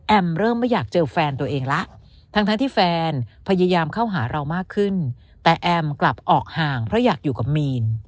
เริ่มไม่อยากเจอแฟนตัวเองแล้วทั้งที่แฟนพยายามเข้าหาเรามากขึ้นแต่แอมกลับออกห่างเพราะอยากอยู่กับมีน